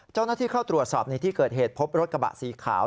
เจ้าหน้าที่เข้าตรวจสอบในที่เกิดเหตุพบรถกระบะสีขาว